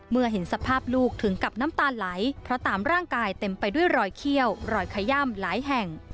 เห็นสภาพลูกถึงกับน้ำตาไหลเพราะตามร่างกายเต็มไปด้วยรอยเขี้ยวรอยขย่ำหลายแห่ง